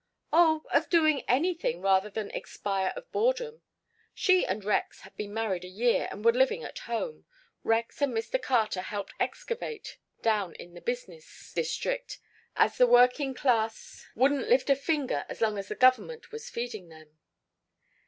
"Oh, of doing anything rather than expire of boredom. She and Rex had been married a year and were living at home. Rex and Mr. Carter helped excavate down in the business district, as the working class wouldn't lift a finger as long as the Government was feeding them."